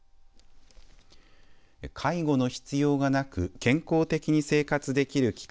介護の必要がなく健康的に生活できる期間。